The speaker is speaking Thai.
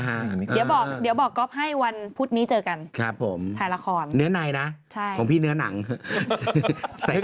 แม่ติดตามละครหนูด้วยนะเนื้อใน